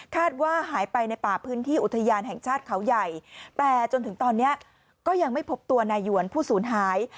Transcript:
ว่าหายไปในป่าพื้นที่อุทยานแห่งชาติเขาใหญ่แต่จนถึงตอนนี้ก็ยังไม่พบตัวนายหวนผู้สูญหาย